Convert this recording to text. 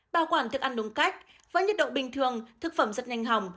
bảo quản thức ăn đúng cách với nhiệt độ bình thường thực phẩm rất nhanh hỏng